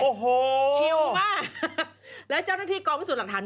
โอ้โหชิวมากแล้วเจ้าหน้าที่กองพิสูจน์หลักฐาน